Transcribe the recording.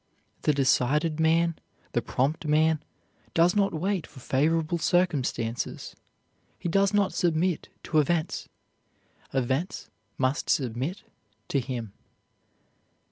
The decided man, the prompt man, does not wait for favorable circumstances; he does not submit to events; events must submit to him.